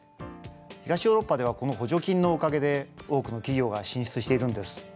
東ヨーロッパではこの補助金のおかげで多くの企業が進出しているんです。